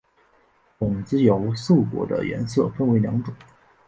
种子由瘦果的颜色分成两种。